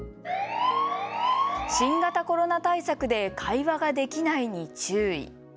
新型コロナ対策で会話ができないに注意。